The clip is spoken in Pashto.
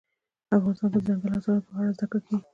افغانستان کې د دځنګل حاصلات په اړه زده کړه کېږي.